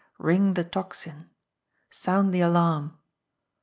Ring the Tocsin! Sound the alarm!